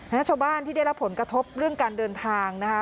และชาวบ้านที่ได้รับผลกระทบเรื่องการเดินทางนะคะ